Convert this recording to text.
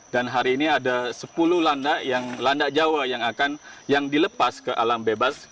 dan hari ini ada sepuluh landak jawa yang akan dilepas ke alam bebas